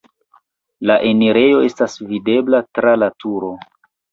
La enirejo estas videbla tra la turo.